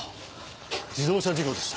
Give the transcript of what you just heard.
自動車事故でした。